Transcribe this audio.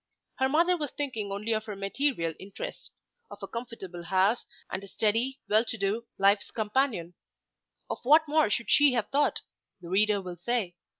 Her mother was thinking only of her material interests, of a comfortable house and a steady, well to do life's companion. Of what more should she have thought? the reader will say.